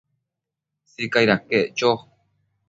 Sicaid aquec cho